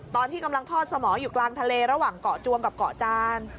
ตอนที่กำลังทอดสมองอยู่กลางทะเลระหว่างเกาะจวงกับเกาะจาน